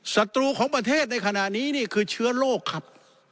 ศัตรูของประเทศในขณะนี้นี่คือเชื้อโรคครับ